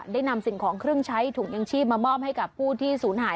ได้นำสิ่งของเครื่องใช้ถุงยังชีพมามอบให้กับผู้ที่ศูนย์หาย